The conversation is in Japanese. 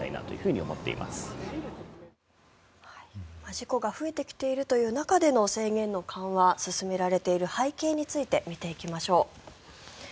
事故が増えてきているという中での制限の緩和が進められている背景について見ていきましょう。